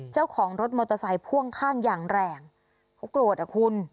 เจ้าของรถมอเตอร์ไซค์พ่วงข้างอย่างแรงเขาโกรธอ่ะคุณ